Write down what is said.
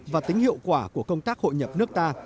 và tính hiệu quả của công tác hội nhập nước ta